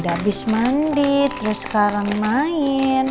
udah abis mandi terus sekarang main